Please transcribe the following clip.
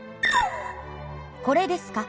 これですか？